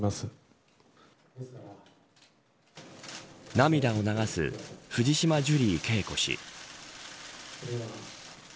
涙を流す藤島ジュリー景子氏。